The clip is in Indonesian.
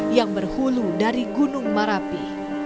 yang berhulu dari gunung marapi